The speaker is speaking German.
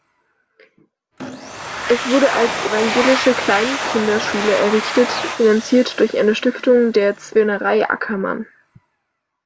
Es wurde als evangelische Kleinkinderschule errichtet, finanziert durch eine Stiftung der Zwirnerei Ackermann.